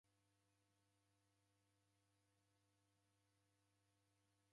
Nyonyi radima kudamba charo kilacha